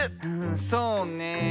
そうねえ。